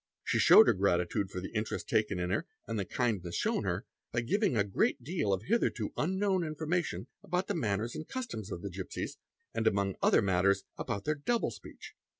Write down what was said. She showed her gratitude for the interest taken in her and the kindness shown her by giving a great deal of hitherto unknown information about the manners and customs of the gipsies, and among other matters about their double speech.